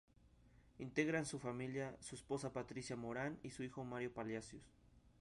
Integran su familia: Su esposa Patricia Morán y su hijo Mario Palacios.